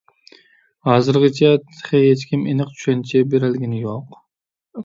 ھازىرغىچە تېخى ھېچكىم ئېنىق چۈشەنچە بېرەلىگىنى يوق.